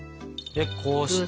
でこうして。